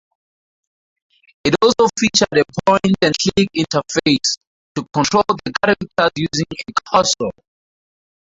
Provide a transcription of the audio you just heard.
It also featured a point-and-click interface, to control the characters using a cursor.